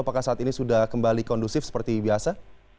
apakah saat ini sudah kembali kondusif seperti biasa